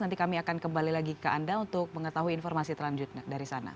nanti kami akan kembali lagi ke anda untuk mengetahui informasi terlanjut dari sana